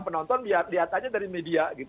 penonton lihat lihatnya dari media